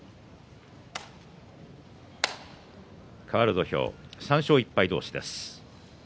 かわる土俵は３勝１敗同士です。